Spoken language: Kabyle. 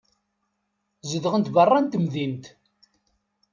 Zedɣent beṛṛa n temdint.